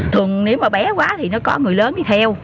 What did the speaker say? thường nếu mà bé quá thì nó có người lớn đi theo